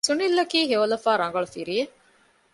ސުނިލް އަކީ ހެޔޮލަފާ ރަނގަޅު ފިރިއެއް